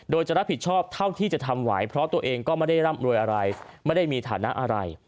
โดยจะรับผิดชอบเท่าที่จะทำไหวเพราะตัวเองก็ไม่ได้ร่ำรวยอะไรไม่ได้มีฐานะอะไร